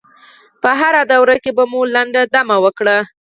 په هره دوره کې به مو لنډه دمه وکړه.